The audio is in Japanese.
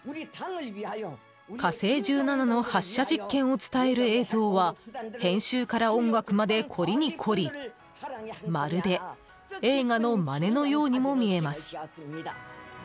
「火星１７」の発射実験を伝える映像は編集から音楽まで凝りに凝りまるで映画のまねのようにも見えます。